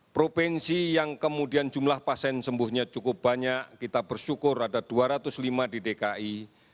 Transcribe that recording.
provinsi yang kemudian jumlah pasien sembuhnya cukup banyak kita bersyukur ada dua ratus lima di dki